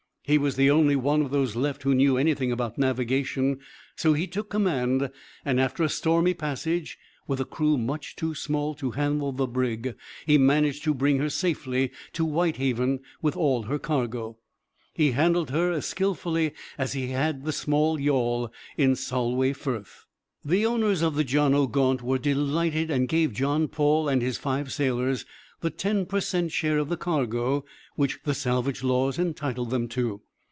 He was the only one of those left who knew anything about navigation, so he took command, and after a stormy passage, with a crew much too small to handle the brig, he managed to bring her safely to Whitehaven with all her cargo. He handled her as skilfully as he had the small yawl in Solway Firth. The owners of the John o' Gaunt were delighted and gave John Paul and his five sailors the ten per cent. share of the cargo which the salvage laws entitled them to.